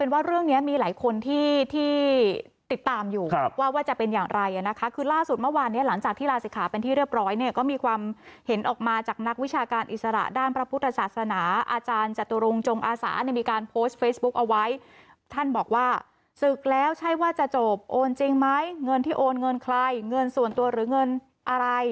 เว้ยว่าจะโอนจริงไหมเงินที่โอนเงินใครเงินส่วนตัวหรือเงินอะไร